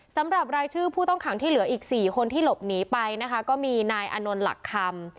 สำหรับรายชื่อผู้ต้องขังที่เหลืออีก๔คนที่หลบหนีไปนะคะก็มีนายอานนท์หลักคำ